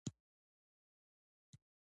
هوا د افغانستان د اقتصاد برخه ده.